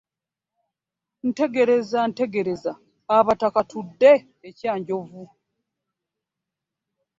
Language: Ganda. Ntegereza ntegereza, abataka tudde e Kyanjove.